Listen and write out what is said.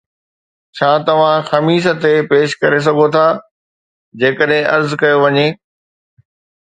ڇا توھان خميس تي پيش ڪري سگھوٿا جيڪڏھن عرض ڪيو وڃي؟